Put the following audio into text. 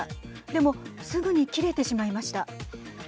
でもすぐに切れてしまいました。